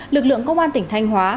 lực lượng công an tỉnh thanh hóa